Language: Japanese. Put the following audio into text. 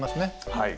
はい。